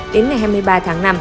đến ngày hai mươi ba tháng năm